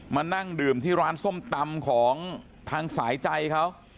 มานั่งดื่มที่ร้านส้มตำของทางสายใจเขา